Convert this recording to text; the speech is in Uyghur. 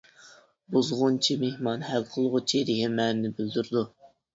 بۇزغۇنچى مېھمان «ھەل قىلغۇچى» دېگەن مەنىنى بىلدۈرىدۇ.